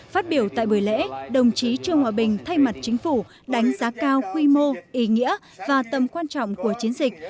phát biểu tại buổi lễ đồng chí trương hòa bình thay mặt chính phủ đánh giá cao quy mô ý nghĩa và tầm quan trọng của chiến dịch